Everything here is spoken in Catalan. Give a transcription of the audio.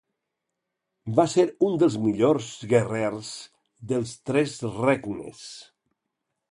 Va ser un dels millors guerrers dels Tres Regnes.